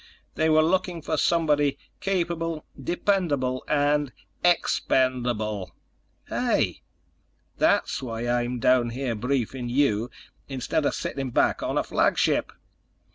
They were looking for somebody capable, dependable ... and ... expendable!" "Hey!" "That's why I'm down here briefing you instead of sitting back on a flagship.